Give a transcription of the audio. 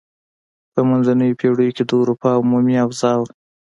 په منځنیو پیړیو کې د اروپا عمومي اوضاع وه.